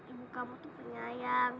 ibu kamu tuh penyayang